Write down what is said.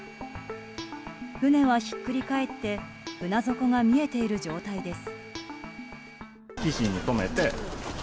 船はひっくり返って船底が見えている状態です。